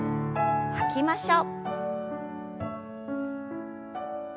吐きましょう。